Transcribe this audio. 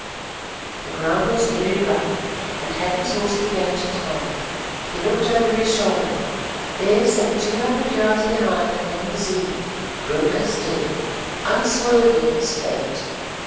The ground was very rough, and Hadden's horse began to tire. He looked over his shoulder—there some two hundred yards behind came the Zulu, grim as Death, unswerving as Fate.